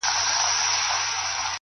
علم د انسان د راتلونکي بنسټ دی،